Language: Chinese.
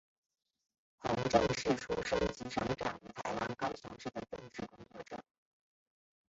洪正是出生及成长于台湾高雄市的政治工作者。